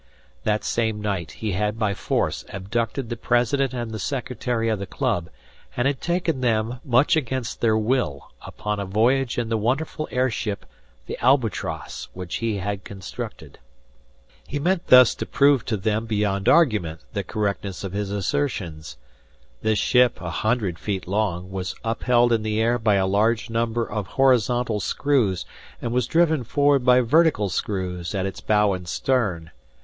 That same night he had by force abducted the president and the secretary of the club, and had taken them, much against their will upon a voyage in the wonderful air ship, the "Albatross," which he had constructed. He meant thus to prove to them beyond argument the correctness of his assertions. This ship, a hundred feet long, was upheld in the air by a large number of horizontal screws and was driven forward by vertical screws at its bow and stern.